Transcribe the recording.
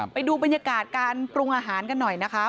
ไปดูบรรยากาศการปรุงอาหารกันหน่อยนะคะ